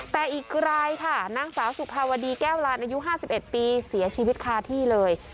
แต่อีกรายค่ะนางสาวสุภาวดีแก้วลานอายุ๕๑ปีเสียชีวิตคาที่เลย